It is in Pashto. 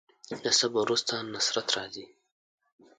د صبر وروسته نصرت راځي.